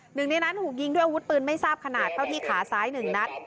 หนึ่งในนั้นถูกยิงด้วยอาวุธปืนไม่ทราบขนาดเข้าที่ขาซ้ายหนึ่งนัด